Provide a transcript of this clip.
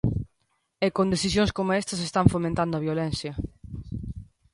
E con decisións coma estas están fomentando a violencia.